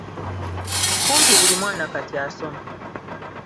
Kumpi buli mwana kati asoma.